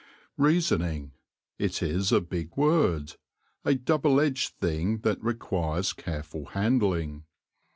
Reasoning — it is a big word, a double edged thing that requires careful handling.